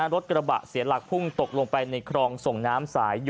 รถกระบะเสียหลักพุ่งตกลงไปในคลองส่งน้ำสาย๒